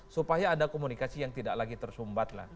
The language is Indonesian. supaya ada komunikasi yang tidak lagi tersumbat lah